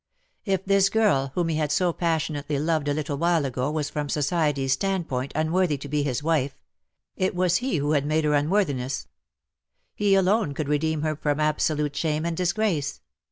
If this girl whom he had so passion ately loved a little while ago was from society^s standpoint unworthy to be his wife — it was he who had made her unworthiness — he who alone could redeem her from absolute shame and disgrace.